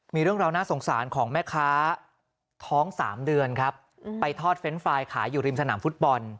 มีเรื่องราวน่าสงสารของแม่ค้าท้อง๓เดือนครับไปทอดเฟรนด์ไฟล์ขายอยู่ริมสนามฟุตบอล